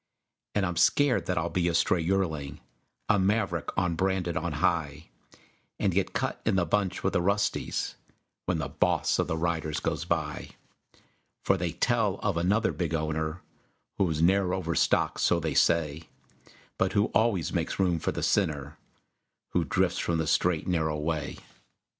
And I'm scared that I'll be a stray yearling, A maverick, unbranded on high, And get cut in the bunch with the "rusties" When the Boss of the Riders goes by. For they tell of another big owner Whose ne'er overstocked, so they say, But who always makes room for the sinner Who drifts from the straight, narrow way.